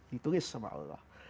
ditulis sama allah